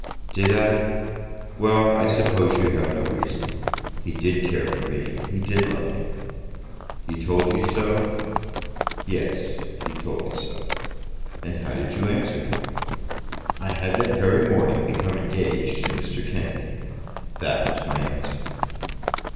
"Did I? Well; I suppose you have no reason. He did care for me. He did love me." "He told you so?" "Yes; he told me so." "And how did you answer him?" "I had that very morning become engaged to Mr. Kennedy. That was my answer."